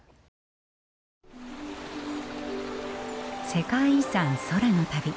世界遺産空の旅。